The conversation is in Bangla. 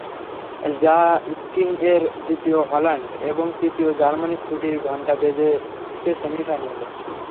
র্যা ঙ্কিংয়ের দ্বিতীয় হল্যান্ড এবং তৃতীয় জার্মানির ছুটির ঘণ্টা বেজেছে সেমিফাইনালে।